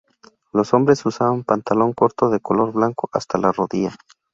Los hombres usaban pantalón corto de color blanco hasta la rodilla.